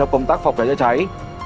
trong công tác phòng cháy cháy